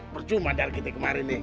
bercuma dar kita kemarin nih